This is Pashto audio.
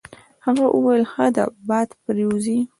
هغه وویل: ښه ده باد پرې وځي.